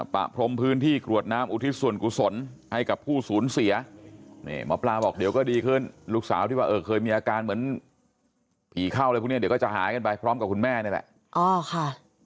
ประพรมพื้นที่กรวดน้ำอุทิศส่วนกุศลให้กับผู้สูญเสียนี่หมอปลาบอกเดี๋ยวก็ดีขึ้นลูกสาวที่ว่าเออเคยมีอาการเหมือนผีเข้าอะไรพวกนี้เดี๋ยวก็จะหายกันไปพร้อมกับคุณแม่นี่แหละ